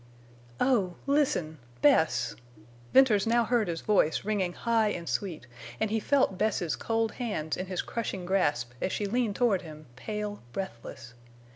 "Oh! Listen! Bess!" Venters now heard his voice ringing high and sweet, and he felt Bess's cold hands in his crushing grasp as she leaned toward him pale, breathless.